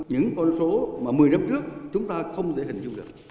những con số mà một mươi năm trước